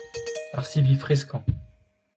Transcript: Ar sivi freskañ.